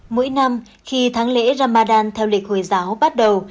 mỗi năm khi tháng lễ ramadan theo lịch hồi giáo bắt đầu